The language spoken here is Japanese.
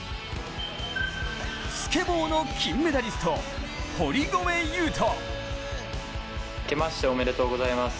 スケボーの金メダリスト、堀米雄斗。